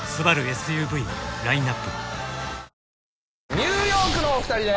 ニューヨークのお二人です。